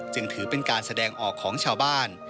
จึงถือเป็นการแสดงออกของชาวบ้าน